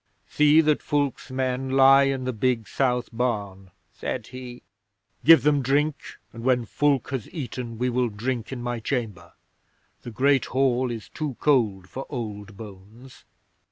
See that Fulke's men lie in the big south barn," said he. "Give them drink, and when Fulke has eaten we will drink in my chamber. The Great Hall is too cold for old bones."